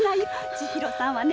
千尋さんはね